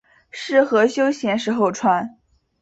适合休闲时候穿。